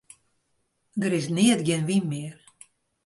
Der is neat gjin wyn mear.